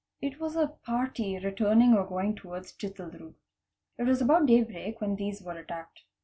It was a party returning or going towards Chitaldroog. It was about daybreak when these were attacked.